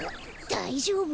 だいじょうぶ？